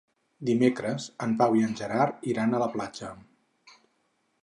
Dimecres en Pau i en Gerard iran a la platja.